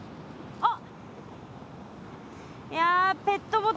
あっ。